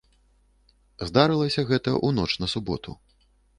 Здарылася гэта ў ноч на суботу.